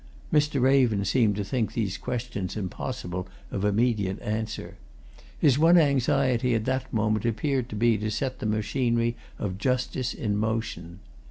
Mr. Raven seemed to think these questions impossible of immediate answer: his one anxiety at that moment appeared to be to set the machinery of justice in motion.